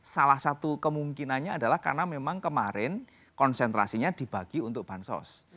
salah satu kemungkinannya adalah karena memang kemarin konsentrasinya dibagi untuk bansos